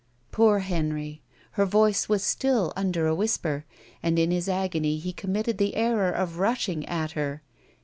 Poor Henry, her voice was still under a whisper and in his agony he committed the error of rushing at her.